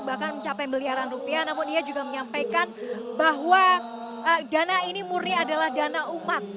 bahkan mencapai miliaran rupiah namun ia juga menyampaikan bahwa dana ini murni adalah dana umat